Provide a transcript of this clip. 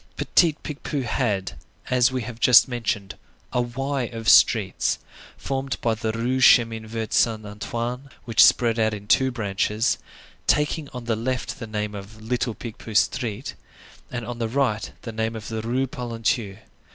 Petit Picpus had, as we have just mentioned, a Y of streets, formed by the Rue du Chemin Vert Saint Antoine, which spread out in two branches, taking on the left the name of Little Picpus Street, and on the right the name of the Rue Polonceau.